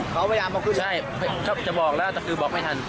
เขาพยายามเอาขึ้นใช่จะบอกแล้วแต่คือบอกไม่ทัน